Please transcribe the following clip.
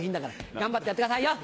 頑張ってやってくださいよ！